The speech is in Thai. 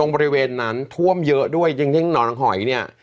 บริเวณนั้นทร่วมเยอะด้วยยิ่งถึงน้อนอังหอยเนี่ย